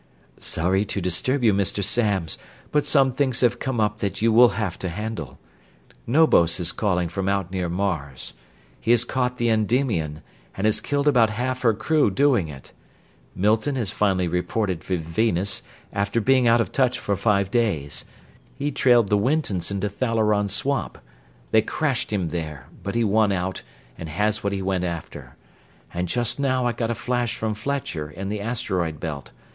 "Sorry to disturb you, Mr. Samms, but some things have come up that you will have to handle. Knobos is calling from out near Mars. He has caught the Endymion, and has killed about half her crew doing it. Milton has finally reported from Venus, after being out of touch for five days. He trailed the Wintons into Thalleron swamp. They crashed him there, but he won out and has what he went after. And just now I got a flash from Fletcher, in the asteroid belt.